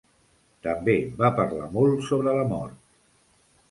També va parlar molt sobre la mort.